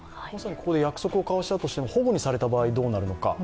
まさにここで約束をかわしたとしても、ほごにされた場合、どうなるのか。